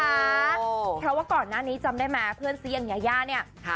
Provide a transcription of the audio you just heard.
โอ้แค่ว่าก่อนหน้านี้จำได้ไหมเพื่อนเซียงยายาเนี้ยค่ะ